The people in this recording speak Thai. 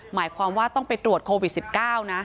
หมายความว่าต้องไปตรวจโควิด๑๙นะ